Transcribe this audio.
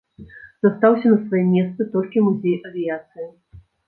Застаўся на сваім месцы толькі музей авіяцыі.